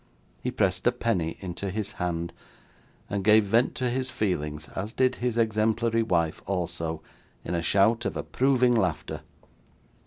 He pressed a penny into his hand, and gave vent to his feelings (as did his exemplary wife also), in a shout of approving laughter.